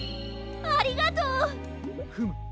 ありがとう。フム。